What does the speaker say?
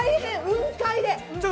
雲海で。